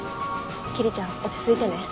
桐ちゃん落ち着いてね。